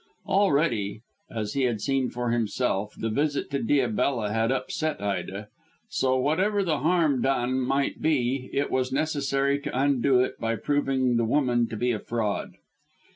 Already, as he had seen for himself, the visit to Diabella had upset Ida; so, whatever the harm done might be, it was necessary to undo it by proving the woman to be a fraud.